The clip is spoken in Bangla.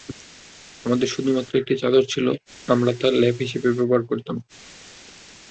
আমাদের শুধুমাত্র একটি চাদর ছিল আমরা তা লেপ হিসাবে ব্যবহার করতাম।